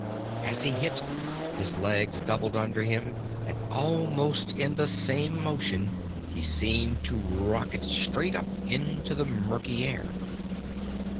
As he hit, his legs doubled under him, and almost in the same motion he seemed to rocket straight up into the murky air.